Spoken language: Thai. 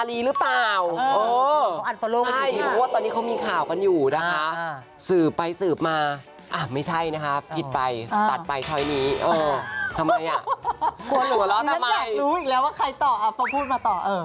อยากรู้อีกแล้วว่าใครต่อฟังพูดมาต่อ